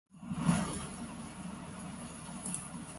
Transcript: The film was their graduation project for film school.